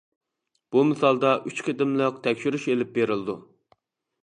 بۇ مىسالدا ئۈچ قېتىملىق تەكشۈرۈش ئېلىپ بېرىلىدۇ.